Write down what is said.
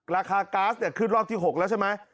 ราคาก๊าซขึ้นรอบที่๖แล้วใช่ไหม